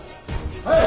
はい！